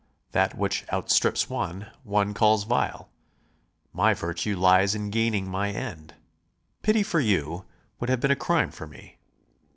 That which outstrips one, one calls vile. My virtue lies in gaining my end. Pity for you would have been a crime for me.